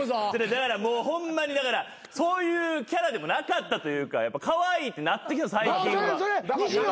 だからもうホンマにそういうキャラでもなかったというかカワイイってなってきた最近は。